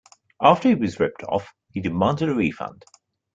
After he was ripped off, he demanded a refund.